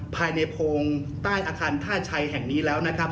ภายในโพงใต้อาคารท่าชัยแห่งนี้แล้วนะครับ